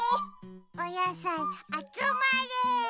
おやさいあつまれ。